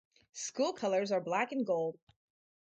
School colors are black and gold.